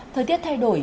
thời tiết thay đổi